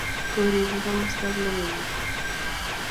koribei kamostab logoiywek